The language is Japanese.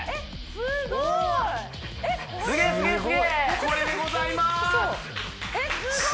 すごいこれでございます！